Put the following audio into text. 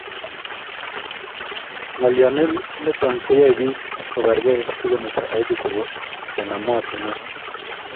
Ng'alio nitok ko koyai tibik ko bargei si kometo aibu chebo kenem moatinikwek